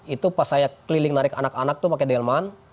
itu pas saya keliling lari ke anak anak tuh pakai delman